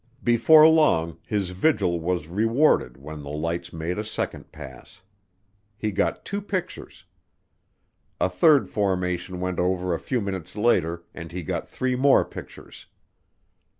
Before long his vigil was rewarded when the lights made a second pass. He got two pictures. A third formation went over a few minutes later and he got three more pictures.